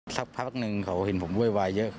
สักพักหนึ่งเขาเห็นผมโวยวายเยอะ